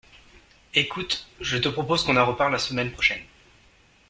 Écoute, je te propose qu'on en reparle la semaine prochaine.